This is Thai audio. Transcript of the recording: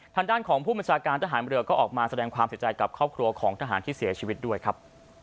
ทางด้านของผู้บัญชาการทหารเรือก็ออกมาแสดงความเสียใจกับครอบครัวของทหารที่เสียชีวิตด้วยครับ